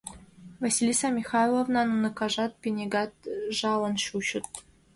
Василиса Михайловналан уныкажат, пинегат жалын чучыт.